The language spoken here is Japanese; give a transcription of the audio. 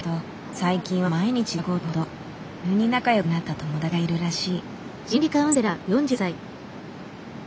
最近は毎日連絡を取るほど急に仲良くなった友達がいるらしい。